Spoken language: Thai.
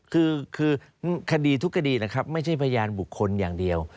คือคดีทุกคดีนะครับไม่ใช่พยานบุคคลอย่างเดียว